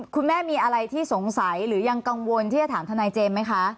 คุณแม่มีอะไรที่สงสัยหรือยังกังวลที่จะถามทนายเจมส์ไหมคะ